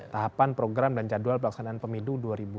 tahapan program dan jadwal pelaksanaan pemidu dua ribu sembilan belas